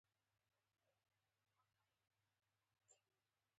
دېوالونه د عمودي او افقي حرکت په شکل رنګوي.